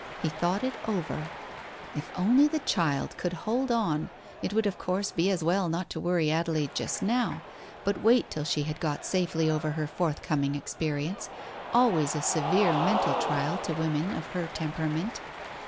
He thought it over. If only the child Digitized by Google THE TIGER SKIN 269 could hold on, it would of course be as well not to worry Adelaide just now, but wait till she had got safely over her forthcoming experience, always a severe mental trial to women of her temperament.